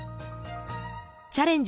「チャレンジ！